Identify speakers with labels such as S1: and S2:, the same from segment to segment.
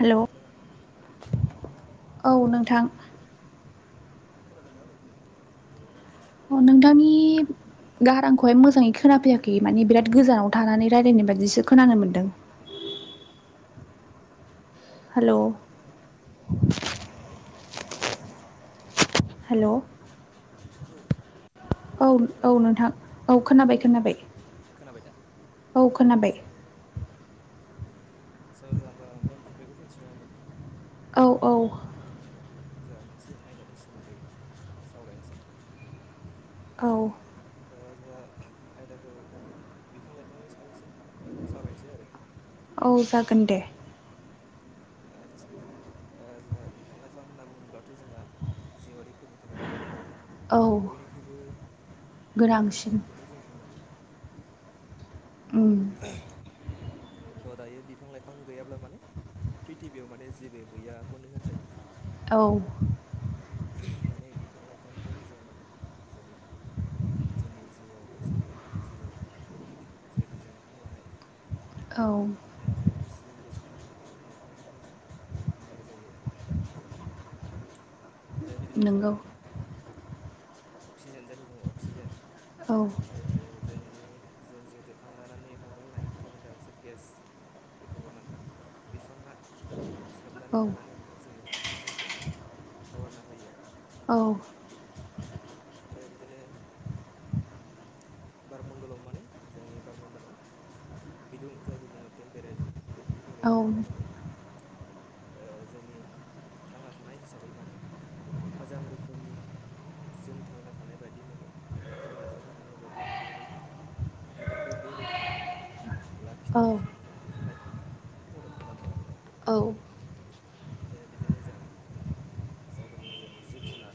S1: Hello
S2: hello नोंथां
S1: औ नोंथां
S2: [inaudible]
S1: अ नोंथांनि गारांखौहाय मोजांङै खोनाफैयाखै माने बिराद गोजानाव थानानै रायजलायनाय बाददिसो खोनानो मोन्दों
S2: [inaudible]
S1: हेलौ
S2: [inaudible]
S1: हेलौ
S2: [inaudible]
S1: औ
S2: हेलौ
S1: औ नोंथां औ खोनाबाय खोनाबाय
S2: खोनाबाय दा
S1: औ खोनाबाय
S2: सोर होमबा मेन टपिकखौ फैनोसै नङा होनबा
S1: औ औ
S2: जोंहा मोनसे आयदानि सोमोन्दै सावरायनोसै
S1: औ
S2: जोंहा आयदाखौ बिफां लाइफांनि सायावसो सावरायनोसै आरो
S1: औ जागोन दे
S2: आतसा जोंहा बिफां लाइफां होनना बुङोब्लाथ जोंहा जिवआरिफोरनि थाखाय मोन
S1: औ
S2: बयनिख्रुइबो
S1: गोनांसिन
S2: गोनांथारखौनो जों बुंनांगोन आरो
S1: उम
S2: स दायो बिफां लाइफां गैयाब्ला माने प्रिथिबियाव माने जेबो गैयाखौनो होनजायो
S1: औ
S2: माने बिफां लाइफांनिफ्रायनो जों माने जों जोंनि जिउआव सानफ्रोमबोनि जिउआव जिहेथु जों हां लानाय
S1: औ
S2: बे हां हां लानाय अक्सिजेन गेसखौ माने बिफां लाइफांनिफ्रायनो मोननाय जायो आरो [inaudible] आरो बिदिनो जोंहा
S1: नंगौ
S2: माने अक्सिजेन जायखौ बुङो अक्सिजेन
S1: औ
S2: नि जों जिहुथु हां लानानै हगारनाय कार्बन डाइ अक्साइड गेस बेखौबो माने बिफाङा सोबनानै
S1: औ
S2: लानानै माने जोंनो अक्सिजेनखौ हगारना होयो आरो
S1: औ
S2: आरो बिदिनो बारमण्डलाव माने जोंनि बारमण्डलाव बिदुं जायखौ बुङो टेमपेरे बे
S1: औ
S2: टेमपेरेजारखौ माने ओ जोंनि थांना थानाय हिसाबै माने मोजां रोखोमनि जों थांना थानाय बायदि माने थांना थानो हानाय बायदि दि माने रो बिदुंखौ बे रोखोमाव माने लाखिनायाव जे
S1: औ
S2: माने बिफां लाइफाङा मदद खालामो आरो
S1: औ
S2: बे बिदिनो जोहा मा जायखौ बुङो जों जिब जुनार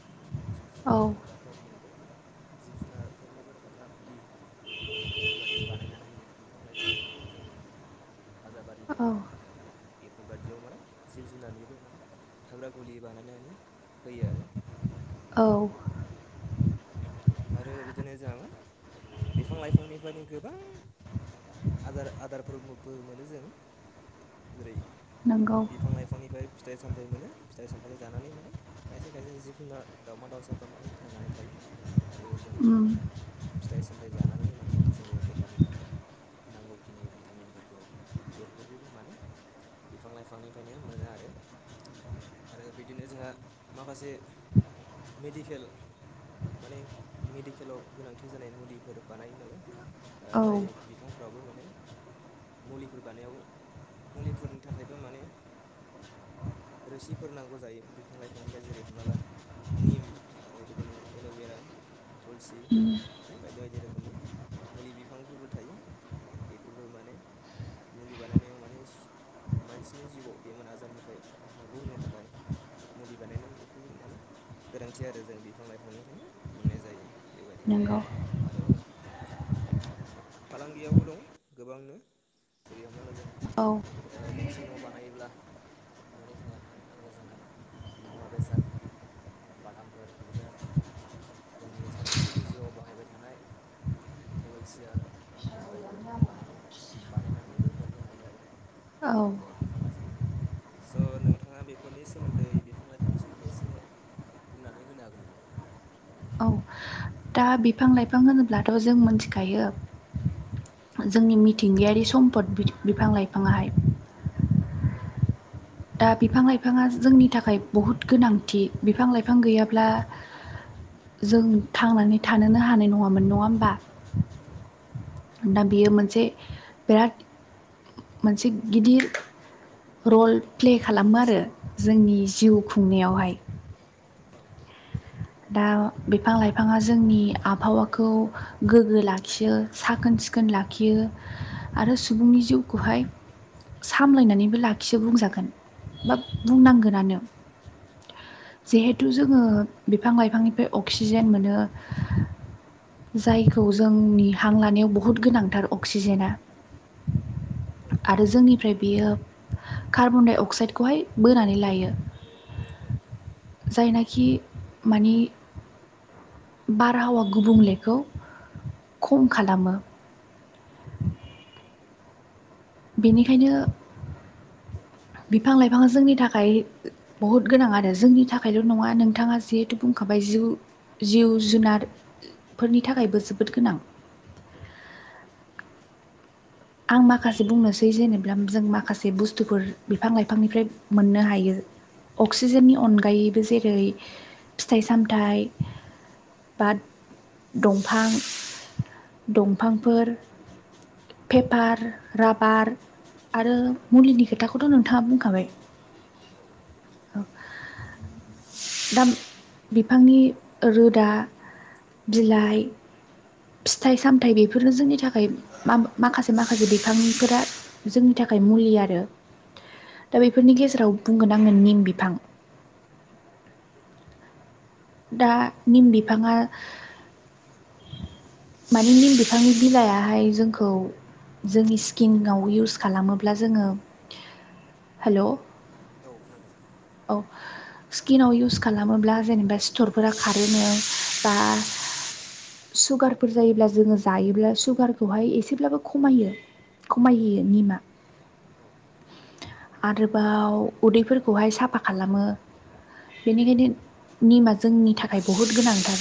S2: जिब
S1: औ
S2: जुनार थाग्राफोरनोबो माने जिब जुनारफोरनिबो थाग्रा खुलि बेफोरबायदि बानायनानै होयो बिफां लाइफां जायखौ बुङो हाग्रा बारिफोर
S1: औ
S2: बेफोरबादियाव माने जिब- जुनारनिबो माने थाग्रा गुलि बानायनानै होयो आरो
S1: औ
S2: आरो बिदिनो जोङा मा बिफां लाइफांनिफ्रायनो गोबां आदार आदारफोरबो मोनो जों जेरै
S1: नंगौ
S2: बिफां लाइफांनिफ्राय फिथ- फिथाइ सामथाइ मोनो फिथाइ सामथाय जानानै माने खायसे खायसे जिब जुनार दावमा दावउसाफ्रा माने थांनानै थायो आरो जोंबो
S1: उम
S2: फिथाइ सामथाइ जानानानै माने जोंबो देहानि थाखाय नांगौखिनि भिटामिनफोरखौ बेफोरखौबो माने बिफां लाइफांनिफ्रायनो मोनो आरो आरो बिदिनो जोंहा माखासे मेडिकेल माने मेडिकेलाव गोनांथि जानाय मुलिफोर बानायो नालाय ओ
S1: औ
S2: जाय
S1: उम
S2: बिफांफोरावबो माने ने मुलिफोर बानायाव मुलिफोरनि थाखायबो माने रोसिफोर नांगौ जायो बिफां लाइफांनिफ्राय जेरै हमना ला निम आरो बिदिनो एल'भेरा थुलसि बायदि बायदि रोखोमनि मुलि बिफांफोरबो थायो बेफोरबो माने मुलि बानायनायाव माने सु- मानसिनि जिउआव बेमार आजारनिफ्राय बारग'होनो थाखाय मुलि बानायनांगौ बेखौ माने गोनांथि आरो जों बिफां लाइफांनिफ्रायनो मोननाय जायो बेबादि
S1: नंगौ
S2: आरो फालांगियावबो दं गोबांनो जेरै हमना ला जों
S1: औ
S2: ओ गंसे न' बानायोब्ला न'नि थाखाय माने नांगौ जानाय मुवा बेसाद बातामफोर बिदिनो जोंनि सानफ्रोमबोनि जिउआव बाहायबाय थानाय टेबोल सियार बेफोरबादि माने बानायनायाव बानायनानैबो मोननो हायो आरो
S1: औ
S2: जों बिफां लायफांनि मोनो स' नोंथाङा बेफोरनि सोमोन्दै बिफां लाइफांनि सोमोन्दै एसे बुंनानै होनो हागोन नामा
S1: औ दा बिफां-लाइफां होनोब्लाथ' जों मोनथिखायो। जोंनि
S2: औ
S1: मिथिंगायारि सम्पद बि-बिफां लाइफाङाहाय दा बिफां-लाइफाङा जोंनि थाखाय बहुत गोनांथि बिफां लाइफां गैयाब्ला जों थांनानै थानोनो हानाय नङामोन नङा होमबा
S2: औ
S1: दा बेयो मोनसे बिराद मोनसे गिदिर रल प्ले खालामो आरो जोंनि जिउ खुंनायावहाय
S2: औ
S1: दा बिफां-लाइफाङा जोंनि आबहावाखौ गोग्गो लाखियो साखोन सि सिखोन लाखियो आरो सुबुंनि जिउखौहाय सामलायनानैबो लाखियो बुंजागोन बा बुंनांगोनानो जिहेथु जोङो बिफां-लाइफांनिफ्राय अक्सिजेन मोनो। जायखौ जोंनि हां लानायाव बहुद गोनांथार अक्सिजेना
S2: औ
S1: आरो जोंनिफ्राय बेयो कार्बन डाइ अक्साइदखौहाय बोनानै लायो।
S2: औ
S1: जायनाखि माने बारहावा गुबुंलेखौ खम खालामो।
S2: औ
S1: बेनिखायनो
S2: [inaudible]
S1: बिफां-लाइफाङा जोंनि थाखाय बहुत गोनां आरो जोंनि थाखायल' नङा नोंथाङा जिहेथु बुंखाबाय जिउ जिउ जुनार फोरनि थाखायबो जोबोद गोनां
S2: औ
S1: आं माखासे बुंनोसै जेनेबा जों माखासे बुस्थुफोर बिफां-लाइफांनिफ्राय मोननो हायो। अक्सिजेननि अनगायैबो जेरै फिथाइ-सामथाइ बा दंफां दंफांफोर पेपार, राबार आरो मुलिनि खोथाखौथ' नोंथाङा बुंखाबाय
S2: औ
S1: दा बिफांनि रोदा बिलाय फिथाइ-सामथाय बेफोरनो जोंनि थाखाय मा-माखासे माखासे बिफांफोरा जोंनि थाखाय मुलि आरो
S2: औ औ
S1: दा बेफोरनि गेजेराव बुंगोन आङो निम बिफां
S2: [inaudible]
S1: दा निम बिफाङा माने निम बिफांनि बिलायाहाय जोंखौ जोंनि स्किंआव इउस खालामोब्ला जोङो हेल'
S2: औ खोनादों।
S1: औ स्किनाव इउस खालामोब्ला जेनेबा सिथरफोरा खारोनो बा सुगारफोर जायोब्ला जोङो जायोब्ला सुगारखौहाय एसेब्लाबो खमायो। खमायहोयो निमा।
S2: औ
S1: आरोबाव उदैफोरखौहाय साफा खालामो। बेनिखायनो निमा जोंनि थाखाय बहुद गोनांथार।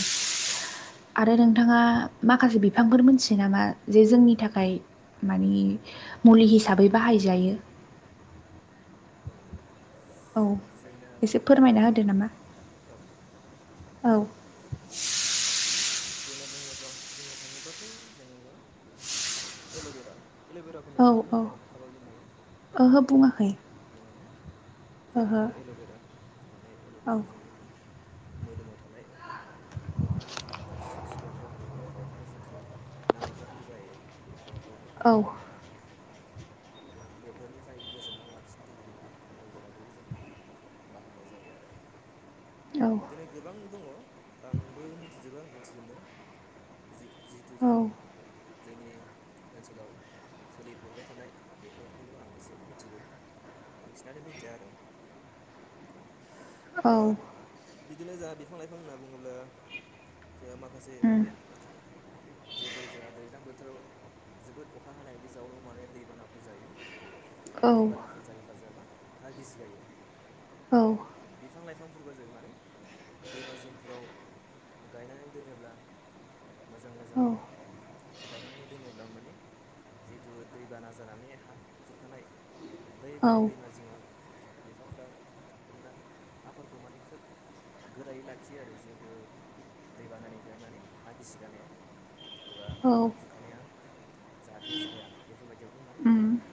S1: आरो नोंथाङा माखासे बिफांफोर मोनथियो नामा जे जोंनि थाखाय मानि मुलि हिसाबै बाहायजायो।
S2: औ
S1: औ
S2: जोंना
S1: एसे
S2: बुंनो
S1: फोरमायना
S2: थाङोब्लाथ'
S1: होदो नामा
S2: औ
S1: औ [inaudible]
S2: होन्ना बुङोब्ला बुंनो थाङोब्लाथ' जोङो मा एल'बेरा। एल'भेराखौ
S1: औ
S2: नोंथाङा
S1: औ
S2: बुंखाखाबायमोन नामा
S1: ओहो बुङाखै
S2: बुङाखै ना औ। जायखौ
S1: ओहो
S2: जोङो एल'बेरा माने
S1: औ
S2: एल'भेराया जोंनि मा मोदोमाव थानाय मोखांनि जि जि सि-सिथरफोर मोखाङाव जिन्थु नानेखाफोर जायो बे
S1: औ।
S2: बे-बेफोरनिफाय गोजानाव लाखिनो थाखाय माने एल'भेराखौबो जोङो बाहायनाय जायो आरो।
S1: औ
S2: बिदिनो गोबां दङ' आंबो मिथिजोबा मिथिजोबनाया। जि-जिथु
S1: औ
S2: जों
S1: उम
S2: जोंनि ओनसोलाव सोलिबोबाय थानाय बेफोरखौल' आं एसे मिथिगौ। बांसिनानो मिथिया आरो औ। ओ
S1: औ।
S2: बिदिनो जाहा बिफां लाइफां होनना बुङोब्ला जोंहा माखासे माने जिहेतु जोंहा दैज्लां बोथोराव जोबोद अखा हानायनि जाउनाव माने दै बानाफोर जायो। औ
S1: औ
S2: दै
S1: उम
S2: बानाफोर जायोबा जोंहा मा हा गिसि गायो बिफां लाइफां फोरखौ जों माने दैमा जिंफोराव गायनानै दोनोब्ला। मोजां
S1: औ
S2: मोजाङैनो। गायनानै दोनोब्ला माने जिहेथु दैबाना जानानै हा खुरखानाय। बै
S1: औ
S2: माने दैमा जिङाव बिफांफ्रा थायोब्ला हाफोरखौ माने खोब। गोरायै लाखियो आरो जिहेतु दै बानानिफ्राय माने हा गिसि गानाया। एबा हा खुरखानाया। जाहाथे जाया बेफोरबायदियावबो माने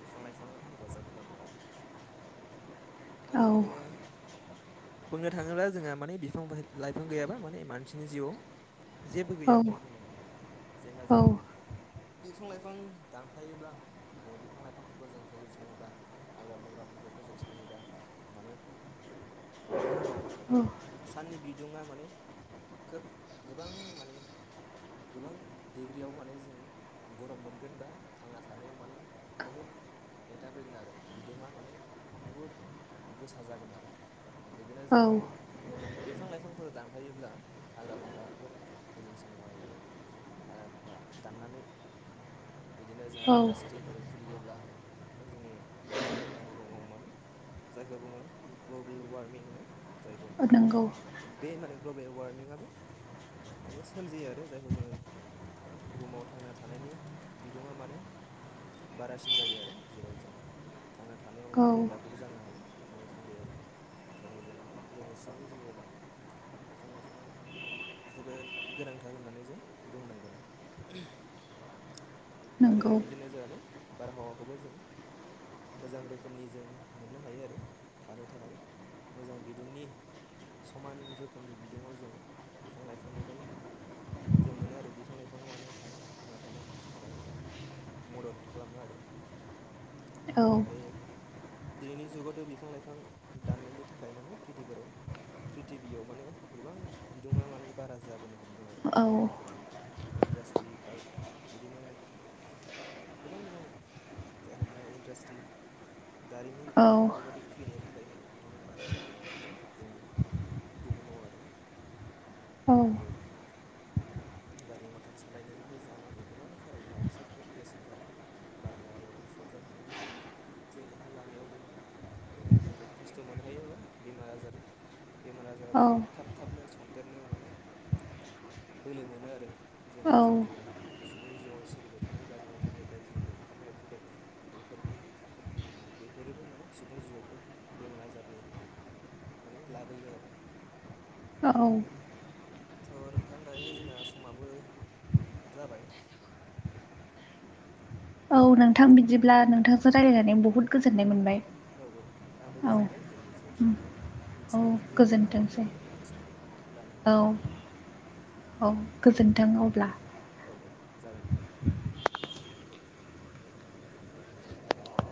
S2: बिफां-लाइफाङा हेफाजाब खालामो आरो। आरो बिदिनो बुंनो थाङोब्ला जोंहा। माने बिफां लाइफां गैयाबा माने मानसिनि जिउआव। जेबो गैयाखौनो बुंनांगोन। जेनबा जों बिफां लाइफां दानफायोब्ला माने बिफां लाइफांफोरखौ जों फोजोबस्राङोब्ला हाग्रा बंग्राफोरखौ। फोजोबस्राङोबा माने बुहुमाव।
S1: औ
S2: साननि बिदुङा माने खोब गोबां माने। गोबां डिग्रियाव माने जों गरम मोनगोन बा थांना थानायाव माने बहुद हेंथा फैगोन आरो बिदुङा माने बुहुद गोसा जागोन आरो। बिदिनो
S1: औ
S2: जोंहा माने बिफां लाइफांफोर दानफायोब्ला, हाग्रा बंग्राफोर फोजोबस्राङोबा माने हाग्रा बंग्रा दाननानै बिदिनो जोंहा
S1: औ
S2: इन्डास्ट्रिफोर। खुलियोब्ला माने जोंनि। बुहुमाव माने जायखौ बुङो ग्लबेल वारमिं होनो जायखौ।
S1: औ नोंगौ।
S2: बे माने ग्लबेल वारमिंआबो माने सोमजियो आरो जायखौ जोङो। बुहुमाव थांना थानायनि बिदुङा माने बारासिन जायो आरो। जेराव जों थांना थानायाव माने
S1: औ
S2: गोब्राबबो जानो हागौ बिफां लाइफां गैयाब्ला ओंखायनो जों माने जोंनि। सुबुं जिउआव माने बिफां लाइफाङा। जोबोद गोनांथार होननानै जों बुंनांगोन आरो। आरो
S1: नंगौ
S2: बिदिनो जोंहा मा बारहावाखौबो जों मोजां रोखोमनि जों मोननो हायो आरो थानो थाखाय मोजां बिदुंनि समान रोखोमनि बिदुङाव जों बिफां लाइफांनिफ्रायनो माने। जों मोनो आरो बिफां लाइफाङा माने थानो थांना थानो थाखाय माने। मदद खालामो आरो।
S1: औ
S2: आरो दिनैनि जुगावथ' बिफां लाइफां दाननायनि थाखाय माने प्रिथिफाराव। प्रिथिबियाव माने गोबां बिदुंङा माने बारा जाबोनो हमदों आरो
S1: औ।
S2: गोदान गोदान इन्डास्ट्रि काल बिदिनो गोबां गोबां जायखौ बुंङो इन्डास्ट्रि दारिमिन बेफोरबायदि खुलिनायनि थाखाय माने बिदुंङा बारा जाबोनो हमदों। जोंनि बुहुमाव आरो।
S1: औ।
S2: आरो गारि मथर सालायनायनिफ्राय जोंहा माने गोबां कार्बनडाय‍-अक्साइडफोर गेस ओंखारो। बारहावायाव सरजाबफानानै जोंनि हां लानायावबो माने जोंखौ खस्थ' मोनहैयो बा बेमार आजार बेमार आजारा खोब थाब थाबनो सन्देरनो माने बोलो मोनो आरो।
S1: औ
S2: जोंनि जिहेथु
S1: औ
S2: सुबुं जिउआव सोलिबाय थानाय गारि मथरनिफ्राय जिहेथु ओंखारनाय उखुन्दै बेफोरनि बेफोरोबो माने सुबुं जिउआव खोब बेमार आजारनि माने लाबोयो आरो।
S1: औ।
S2: थ' नोंथां दायो जोंना समाबो जाबाय।
S1: औ नोंथां बिदिब्ला नोंथांजों रायलायनानै बहुद गोजोननाय मोनबाय।
S2: औ औ आंबो
S1: औ
S2: गोजोनबाय जे जिहेथु
S1: उम
S2: आंबो
S1: औ
S2: मिथिनो मोनै खौरांखौ
S1: गोजोनथोंसै
S2: आंबो मिथिनानै लानो
S1: औ
S2: हाबाय।
S1: औ गोजोन्थों अब्ला।
S2: औ जागोन दे।